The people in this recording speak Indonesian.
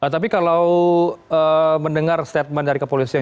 tapi kalau mendengar statement dari kepolisian